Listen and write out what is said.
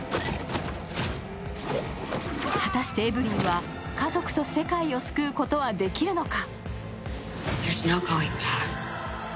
果たして、エヴリンは家族と世界を救うことはできるのか？